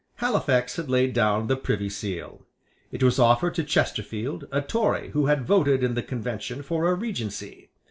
Halifax had laid down the Privy Seal. It was offered to Chesterfield, a Tory who had voted in the Convention for a Regency.